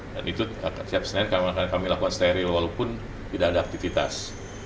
dan itu siap senin kami lakukan steril walaupun tidak ada aktivitas